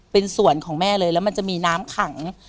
เป็นส่วนของแม่เลยแล้วมันจะมีน้ำขัง